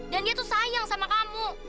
dan dia tuh sayang sama kamu